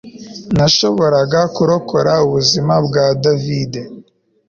Nashoboraga kurokora ubuzima bwa David